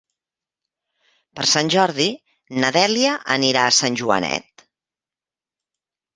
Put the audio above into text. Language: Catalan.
Per Sant Jordi na Dèlia anirà a Sant Joanet.